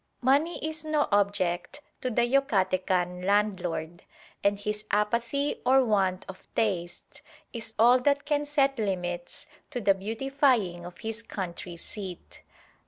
Money is no object to the Yucatecan landlord; and his apathy or want of taste is all that can set limits to the beautifying of his country seat.